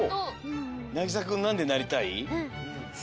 なぎさくんなんでなりたい？